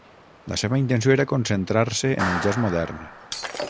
La seva intenció era concentrar-se en el jazz modern.